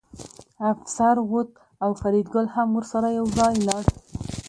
افسر ووت او فریدګل هم ورسره یوځای لاړ